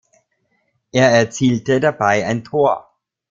Er erzielte dabei ein Tor.